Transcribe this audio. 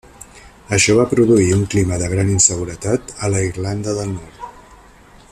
Això va produir un clima de gran inseguretat a la Irlanda del Nord.